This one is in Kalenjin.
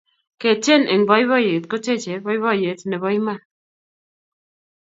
ketien eng poipoiyet kotechei poipoiyet nepo iman